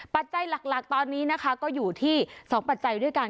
ปัจจัยหลักตอนนี้นะคะก็อยู่ที่๒ปัจจัยด้วยกัน